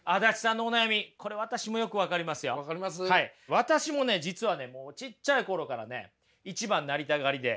私もね実はねちっちゃい頃からね一番なりたがりで。